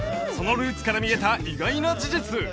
そのルーツから見えた意外な事実！